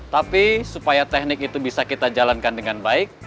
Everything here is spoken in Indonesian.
tapi supaya teknik itu bisa kita jalankan dengan baik